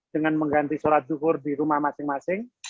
dengan mengganti sholat duhur di rumah masing masing